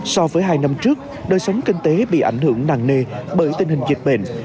so với hai năm trước đời sống kinh tế bị ảnh hưởng nặng nề bởi tình hình dịch bệnh